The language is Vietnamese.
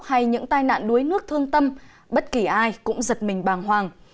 hay những tai nạn đuối nước thương tâm bất kỳ ai cũng giật mình bàng hoàng